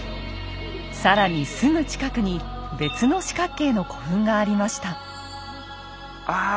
更にすぐ近くに別の四角形の古墳がありました。